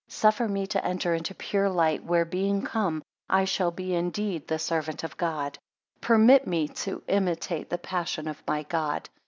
Suffer me to enter into pure light, where being come, I shall be indeed the servant of God. 16 Permit me to imitate the passion of my God.